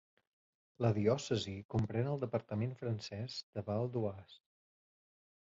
La diòcesi comprèn el departament francès de Val-d'Oise.